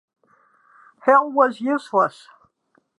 Hill was useless.